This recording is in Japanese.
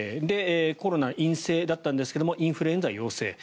コロナ陰性だったんですがインフルエンザ陽性。